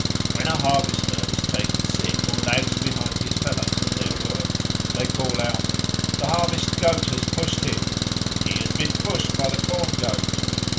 When a harvester is taken sick or lags behind his fellows at their work, they call out, "The Harvest goat has pushed him," "he has been pushed by the Corn goat."